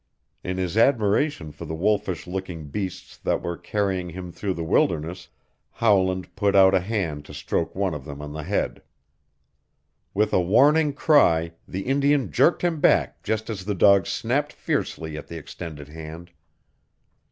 In his admiration for the wolfish looking beasts that were carrying him through the wilderness Howland put out a hand to stroke one of them on the head. With a warning cry the Indian jerked him back just as the dog snapped fiercely at the extended hand.